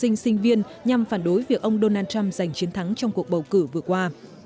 các sinh viên nhằm phản đối việc ông donald trump giành chiến thắng trong cuộc bầu cử vừa qua